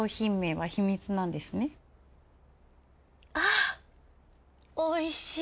あおいしい。